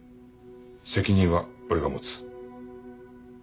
責任は俺が持つ。